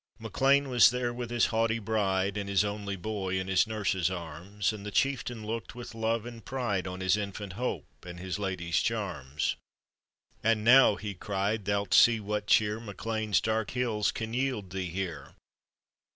POETRY ON OR ABOUT THE MAC LEANS. til MacLean was there with his haughty bride And his only boy in his nurse's arms, And the chieftain looked with love and pride On his infant hope and his lady's charms. "And now," he cried, "thou'lt see what cheer Mae Lean's dark hills can yield thee here.